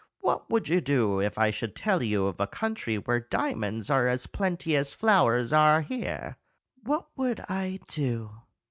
What would you do if I should tell you of a country where diamonds are as plenty as flowers are here?" "What would I do?"